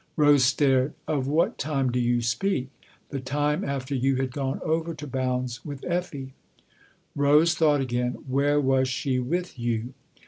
Rose stared. " Of what time do you speak ?"" The time after you had gone over to Bounds with Effie." Rose thought again. " Where was she with you?"